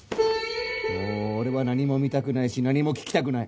もう俺は何も見たくないし何も聞きたくない。